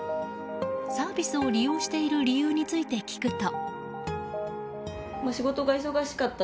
サービスを利用している理由について聞くと。